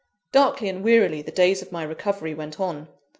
Darkly and wearily the days of my recovery went on.